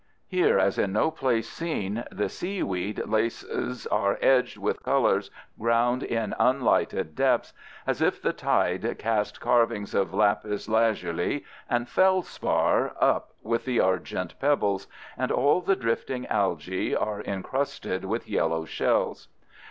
Here as in no place seen the seaweed laces are edged with colors ground in unlighted depths, as if the tide cast carvings of lapis lazuli and feldspar up with the argent pebbles, and all the drifting algæ are incrusted with yellow shells.